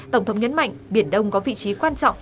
tổng thống nhấn mạnh biển đông có vị trí quan trọng